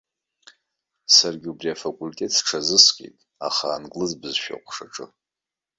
Саргьы убри афакультет сҽазыскит, аха англыз бызшәа аҟәшаҿы.